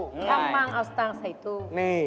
ทำบ้างเอาสตางค์ใส่ตู้